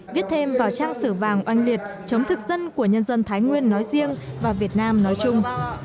viết thêm vào trang sử vàng oanh liệt chống thực dân của nhân dân thái nguyên nói riêng và việt nam nói chung